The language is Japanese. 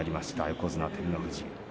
横綱照ノ富士